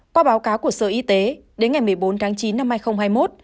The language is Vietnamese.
qua báo cáo của sở y tế đến ngày một mươi bốn tháng chín năm hai nghìn hai mươi một